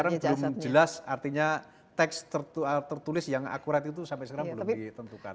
karena belum jelas artinya teks tertulis yang akurat itu sampai sekarang belum ditentukan